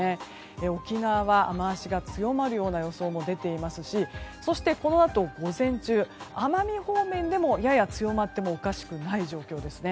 沖縄は雨脚が強まる予想も出ていますしそして、このあと午前中奄美方面でもやや強まってもおかしくない状況ですね。